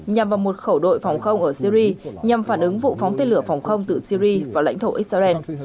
nhằm vào một khẩu đội phòng không ở syri nhằm phản ứng vụ phóng tên lửa phòng không từ syri vào lãnh thổ israel